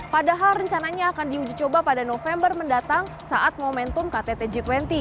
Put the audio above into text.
padahal rencananya akan diujicoba pada november mendatang saat momentum kttg dua puluh